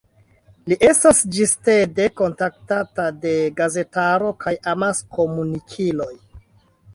Li estas ĝistede kontaktata de gazetaro kaj amaskomunikiloj.